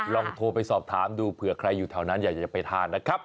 ลองโทรไปสอบถามดูเผื่อใครอยู่แถวนั้นอยากจะไปทานนะครับ